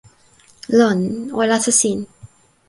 lon, o alasa sin.